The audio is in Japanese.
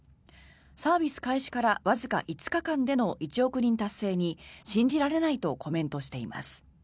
サービス開始からわずか５日間での１億人達成に信じられないとコメントしています。